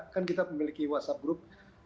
kan kita memiliki whatsapp group